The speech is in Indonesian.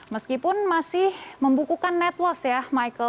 meskipun masih membukukan net loss ya michael